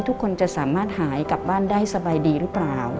ทุกคนจะสามารถหายกลับบ้านได้สบายดีหรือเปล่า